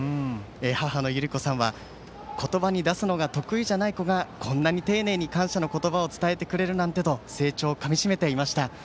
母のゆりこさんは言葉に出すのが得意じゃない子がこんなに丁寧に感謝の言葉を伝えてくれるなんてと成長をかみ締めていました。